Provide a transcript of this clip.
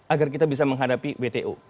agar kita bisa menghadapi wto